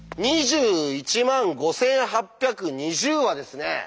２１万５８２０はですね